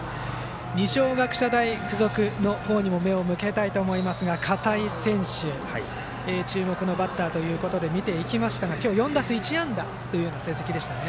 二松学舎大付属の方にも目を向けたいと思いますが片井選手を注目のバッターということで見ていきましたが、今日４打数１安打という成績でした。